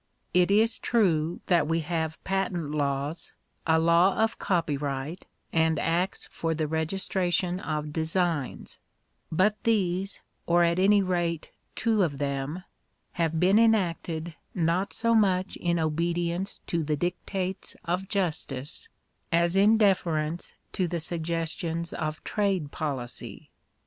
It is true that we have patent laws, a law of copyright, and acts for the registration of designs ; but these, or at any rate two of them, have been enacted rfot so much in obedience to the dictates of justice, as in deference to the suggestions of trade policy.